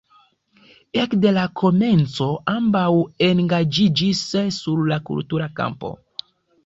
Ekde la komenco ambaŭ engaĝiĝis sur la kultura kampo.